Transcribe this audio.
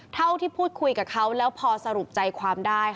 เท่าที่พูดคุยกับเขาแล้วพอสรุปใจความได้